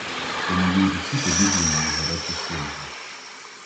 По моїй руці побігли її гарячі сльози.